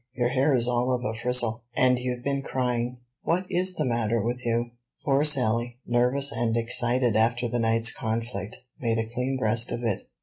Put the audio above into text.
your hair is all of a frizzle, and you've been crying: what is the matter with you?" Poor Sally, nervous and excited after the night's conflict, made a clean breast of it.